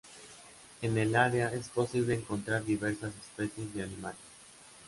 En el área, es posible encontrar diversas especies de animales.